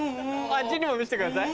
あっちにも見せてください。